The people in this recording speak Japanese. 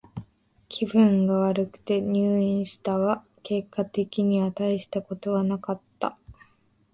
気分が悪くて入院したが、結果的にはたいしたことはなかった。